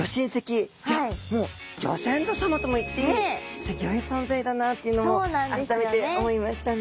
いやギョ先祖さまとも言っていいすギョい存在だなっていうのを改めて思いましたね。